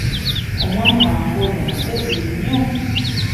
Omwana wange ono mugezi nnyo!